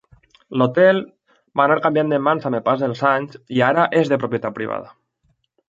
L"hotel va canviar de mans amb el pas dels anys i ara és de propietat privada.